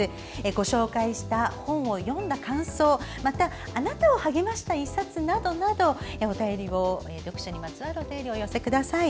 ご紹介した本を読んだ感想また、あなたを励ました１冊など読書にまつわるお便りをお寄せください。